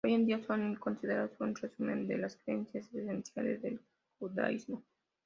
Hoy en día son considerados un resumen de las creencias esenciales del judaísmo.